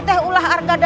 aku sudah berhenti